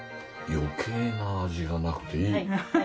余計な味がなくていい。